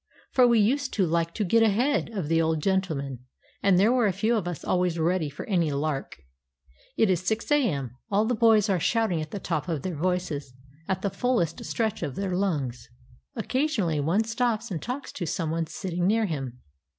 For we used to like to "get ahead" of the old gentleman, and there were a few of us always ready for any lark. It is 6 A.M. All the boys are shouting at the top of their voices, at the fullest stretch of their lungs. Occasionally, one stops and talks to some one sitting near him.